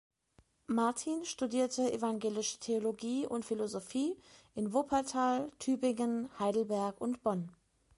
Martin studierte Evangelische Theologie und Philosophie in Wuppertal, Tübingen, Heidelberg und Bonn.